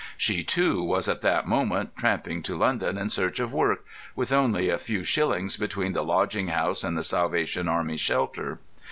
She too was at that moment tramping to London in search of work, with only a few shillings between the lodging house and the Salvation Army shelter.